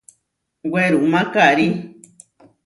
Werumá karí.